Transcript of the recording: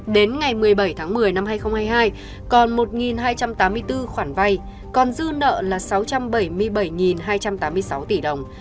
đến ngày một mươi bảy tháng một mươi năm hai nghìn hai mươi hai còn một hai trăm tám mươi bốn khoản vay còn dư nợ là sáu trăm bảy mươi bảy hai trăm tám mươi sáu tỷ đồng